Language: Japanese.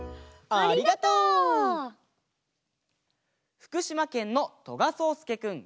ふくしまけんのとがそうすけくん４さいから。